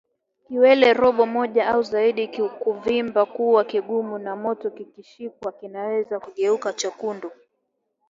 Kiwele robo moja au zaidi kuvimba kuwa kigumu na moto kikishikwa kinaweza kugeuka chekundu